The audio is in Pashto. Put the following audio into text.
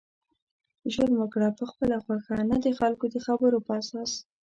ژوند وکړه په خپله خوښه نه دخلکو دخبرو په اساس